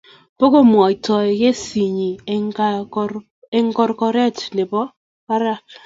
Pukomwotoi kesit nyi eng korkoret nebo parak